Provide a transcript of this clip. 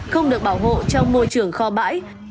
không được bảo hộ trong môi trường kho bãi